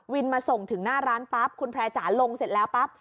มาส่งถึงหน้าร้านปั๊บคุณแพร่จ๋าลงเสร็จแล้วปั๊บ